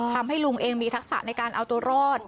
ทำให้ลุงเองมีทักษะในการเอาตัวรอด